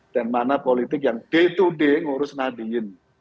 dan mana politik yang day to day mengurus nadin